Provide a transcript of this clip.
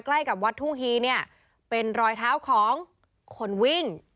ใกล้กับวัดทุ่งฮีเนี่ยเป็นรอยเท้าของคนวิ่ง